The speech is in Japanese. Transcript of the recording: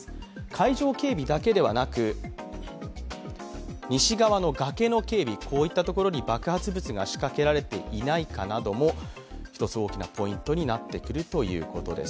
会場警備だけではなく、西側の崖の警備、こういったところに爆発物が仕掛けていないかなども一つ大きなポイントになってくるということです。